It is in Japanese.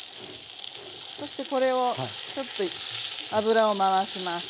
そしてこれをちょっと油を回します。